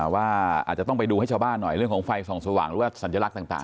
ว่าอาจจะต้องไปดูให้ชาวบ้านหน่อยเรื่องของไฟส่องสว่างหรือว่าสัญลักษณ์ต่าง